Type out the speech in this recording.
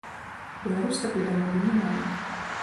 Беларусь такой дамовы не мае.